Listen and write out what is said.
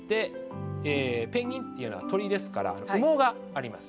ペンギンというのは鳥ですから羽毛があります。